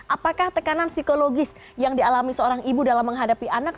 apakah tekanan psikologis yang dialami seorang ibu dalam menghadapi anak